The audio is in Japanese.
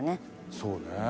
そうね。